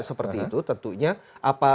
seperti itu tentunya